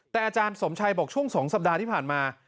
แต่อาจารย์สมชัยบอกช่วง๒สัปดาห์ที่ผ่านมา